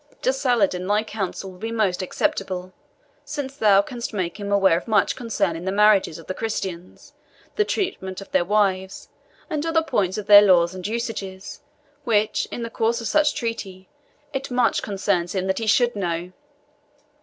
To Saladin thy counsel will be most acceptable, since thou canst make him aware of much concerning the marriages of the Christians, the treatment of their wives, and other points of their laws and usages, which, in the course of such treaty, it much concerns him that he should know.